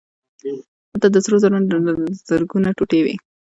دلته د سرو زرو زرګونه ټوټې وې